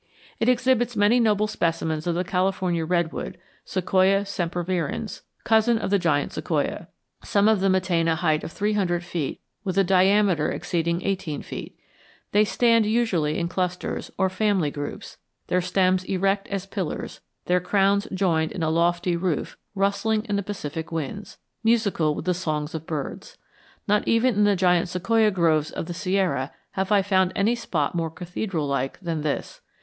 It exhibits many noble specimens of the California redwood, Sequoia sempervirens, cousin of the giant sequoia. Some of them attain a height of three hundred feet, with a diameter exceeding eighteen feet. They stand usually in clusters, or family groups, their stems erect as pillars, their crowns joined in a lofty roof, rustling in the Pacific winds, musical with the songs of birds. Not even in the giant sequoia groves of the Sierra have I found any spot more cathedral like than this.